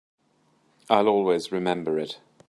I'll always remember it.